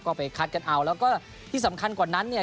ก็ไปคัดกันเอาแล้วก็ที่สำคัญกว่านั้นเนี่ย